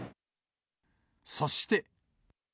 そして。